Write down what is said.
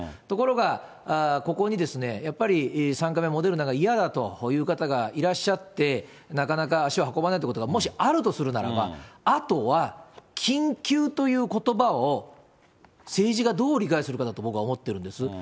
ところが、ここにやっぱり３回目、モデルナが嫌だという方がいらっしゃって、なかなか足を運ばないってことがもしあるとするならば、あとは緊急ということばを政治がどう理解するかだと僕は思ってるんです。